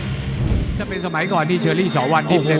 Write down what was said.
มันจะเป็นสมัยก่อนที่เชอรี่ชอวันดิ้นใช่ไหม